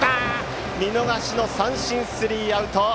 見逃し三振でスリーアウト！